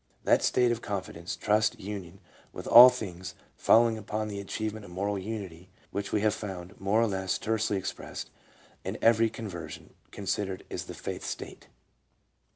That state of confidence, trust, union with all things, following upon the achievement of moral unity, which we have found, more or less tersely expressed, in every conver sion considered is the Faith state.